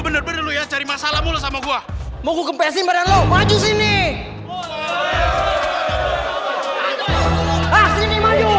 lekal lekel lekel lekel jangan dilakinin